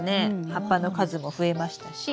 葉っぱの数も増えましたし。